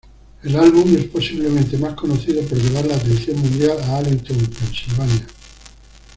El álbum es posiblemente más conocido por llevar la atención mundial a Allentown, Pensilvania.